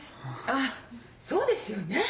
あっそうですよね。